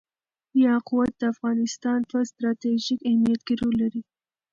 یاقوت د افغانستان په ستراتیژیک اهمیت کې رول لري.